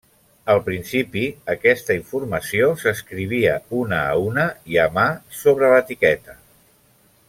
Al principi, aquesta informació s'escrivia una a una i a mà sobre l'etiqueta.